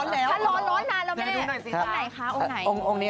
ไม่ต้องร้อนแล้ว